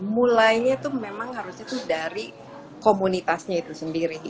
mulainya itu memang harusnya itu dari komunitasnya itu sendiri